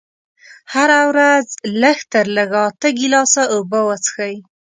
هره ورځ لږ تر لږه اته ګيلاسه اوبه وڅښئ.